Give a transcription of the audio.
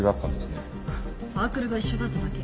サークルが一緒だっただけ。